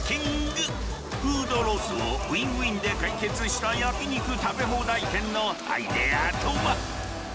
フードロスをウィンウィンで解決した焼き肉食べ放題店のアイデアとは？